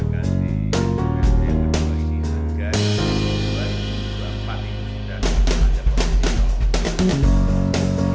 kemarin saya di pancokowi